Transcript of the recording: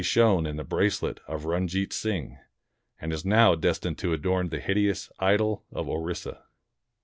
shone in the bracelet of Runjeet Sing, and is now destined to adorn the hideous idol of Orissa.